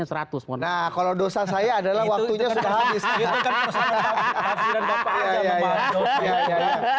nah kalau dosa saya adalah waktunya sudah habis